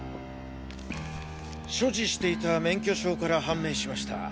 所持していた免許証から判明しました。